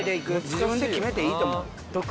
自分で決めていいと思う。